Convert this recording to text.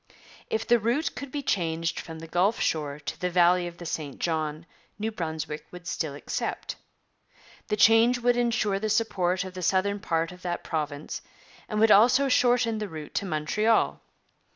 If the route could be changed from the Gulf shore to the valley of the St John, New Brunswick would still accept. The change would ensure the support of the southern part of that province, and would also shorten the route to Montreal.